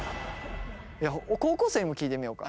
高校生にも聞いてみようか。